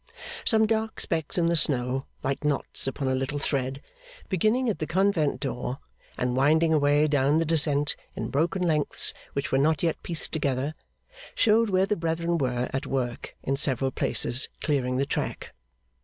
Some dark specks in the snow, like knots upon a little thread, beginning at the convent door and winding away down the descent in broken lengths which were not yet pieced together, showed where the Brethren were at work in several places clearing the track.